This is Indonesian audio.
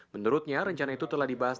menurutnya rencana itu telah dibahas